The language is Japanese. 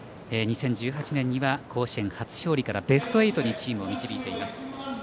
２０１８年には甲子園初勝利からベスト８にチームを導いています。